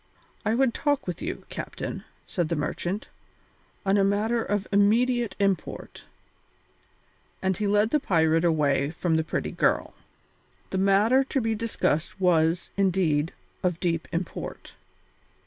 "I would talk with you, captain," said the merchant, "on a matter of immediate import." And he led the pirate away from the pretty girl. The matter to be discussed was, indeed, of deep import.